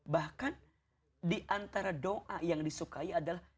bahkan diantara doa yang disukai adalah